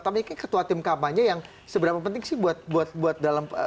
tapi ketua tim kampanye yang seberapa penting sih buat dalam